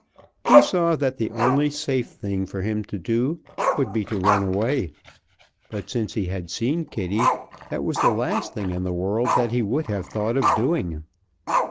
He saw that the only safe thing for him to do would be to run away, but, since he had seen Kitty, that was the last thing in the world that he would have thought of doing.